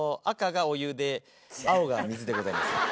赤がお湯で青が水でございます。